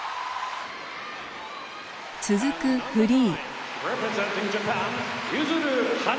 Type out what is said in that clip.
続くフリー。